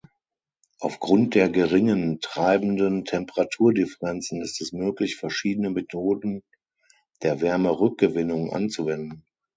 Aufgrund der geringen treibenden Temperaturdifferenzen ist es möglich, verschiedene Methoden der Wärmerückgewinnung anzuwenden.